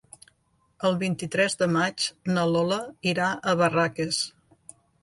El vint-i-tres de maig na Lola irà a Barraques.